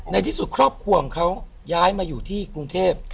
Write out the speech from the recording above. ในที่สุดครอบครัวของเขาย้ายมาอยู่ที่กรุงเทพ